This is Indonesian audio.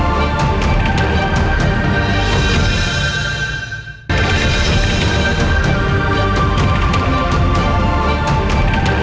gimana itu semua